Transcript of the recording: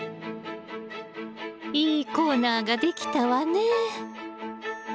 いいコーナーが出来たわね。